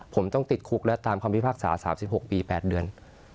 ผมต้องติดคุกและตามคำพิพากษา๓๖ปี๘เดือน